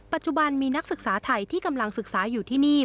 ปัจจุบันมีนักศึกษาไทยที่กำลังศึกษาอยู่ที่นี่